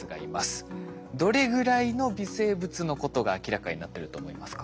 どれぐらいの微生物のことが明らかになってると思いますか？